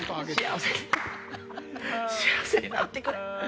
幸せに幸せになってくれ。